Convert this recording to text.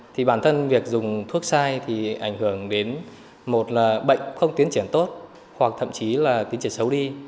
thì bản thân việc dùng thuốc sai thì ảnh hưởng đến một là bệnh không tiến triển tốt hoặc thậm chí là tiến triển xấu đi